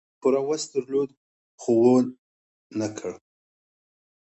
هغوی پوره وس درلود، خو و نه کړ.